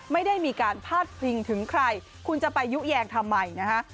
ไม่ได้มีการพาดพิงถึงใครคุณจะไปยุแยงทำไมนะฮะ